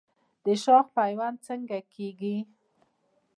د شاخ پیوند څنګه کیږي؟